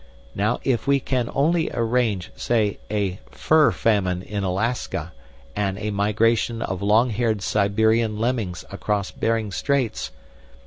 Now if we can only arrange, say, a fur famine in Alaska and a migration of long haired Siberian lemmings across Behring Straits